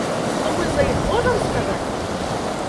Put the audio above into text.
Ну мы за іх можам сказаць?